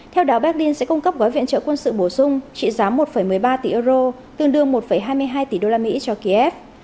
theo đảo berlin sẽ cung cấp gói viện trợ quân sự bổ sung trị giá một một mươi ba tỷ euro tương đương một hai mươi hai tỷ usd cho kiev